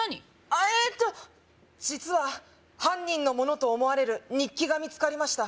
あっえーっと実は犯人のものと思われる日記が見つかりました